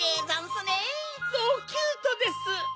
ソーキュートです！